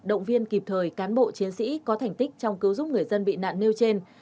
động viên kịp thời cán bộ chiến sĩ có thành tích trong cứu giúp người dân bị nạn nêu trên